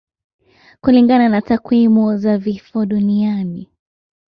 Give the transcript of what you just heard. Kulingana na takwimu za vifo duniani